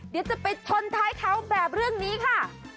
เดี๋ยวจะไปชนท้ายเขาแบบเรื่องนี้ค่ะ